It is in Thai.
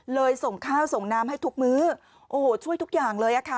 ส่งข้าวส่งน้ำให้ทุกมื้อโอ้โหช่วยทุกอย่างเลยอะค่ะ